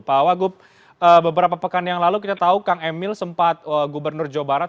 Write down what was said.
pak wagub beberapa pekan yang lalu kita tahu kang emil sempat gubernur jawa barat